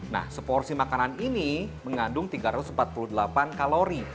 nah seporsi makanan ini mengandung tiga ratus empat puluh delapan kalori